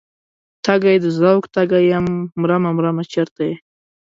تږی د ذوق تږی یمه مرمه مرمه چرته یې؟